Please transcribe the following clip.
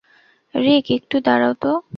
রিক, একটু দাঁড়াও তো।